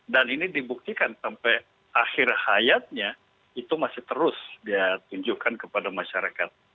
dan ini dibuktikan sampai akhir hayatnya itu masih terus dia tunjukkan kepada masyarakat